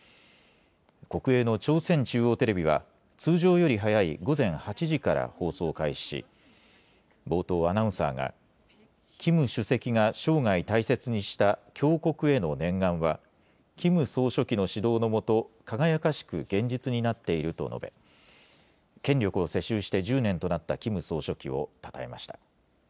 国営の朝鮮中央テレビは、通常より早い午前８時から放送を開始し、冒頭、アナウンサーが、キム主席が生涯大切にした強国への念願は、キム総書記の指導のもと、輝かしく現実になっていると述べ、権力を世襲して１０年となったキム総書記をたたえました。